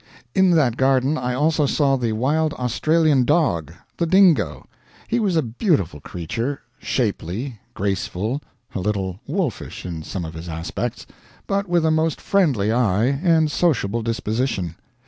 In that garden I also saw the wild Australian dog the dingo. He was a beautiful creature shapely, graceful, a little wolfish in some of his aspects, but with a most friendly eye and sociable disposition.